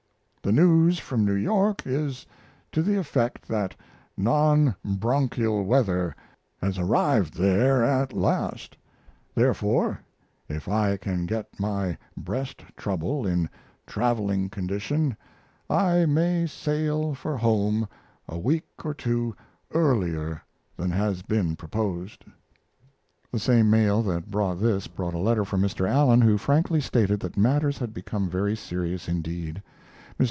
The news from New York is to the effect that non bronchial weather has arrived there at last; therefore, if I can get my breast trouble in traveling condition I may sail for home a week or two earlier than has been proposed. The same mail that brought this brought a letter from Mr. Allen, who frankly stated that matters had become very serious indeed. Mr.